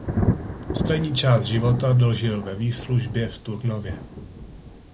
Poslední část života dožil ve výslužbě v Turnově.